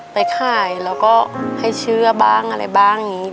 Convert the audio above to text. ไปขายแล้วก็ให้เชื่อบ้างอะไรบ้างอย่างนี้